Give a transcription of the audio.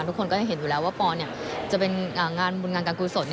ทุกคนก็จะเห็นอยู่แล้วว่าปอนจะเป็นงานบุญงานการกุศล